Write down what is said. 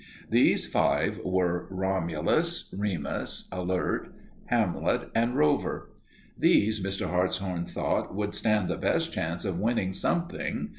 These five were Romulus, Remus, Alert, Hamlet, and Rover. These Mr. Hartshorn thought would stand the best chance of winning something.